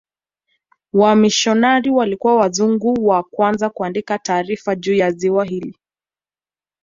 wamishionari walikuwa wazungu wa kwanza kuandika taarifa juu ya ziwa hili